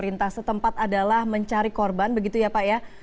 pemerintah setempat adalah mencari korban begitu ya pak ya